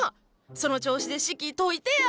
その調子で式解いてや。